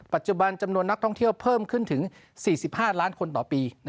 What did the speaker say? ปัจจุบันจำนวนนักท่องเที่ยวเพิ่มขึ้นถึง๔๕ล้านคนต่อปี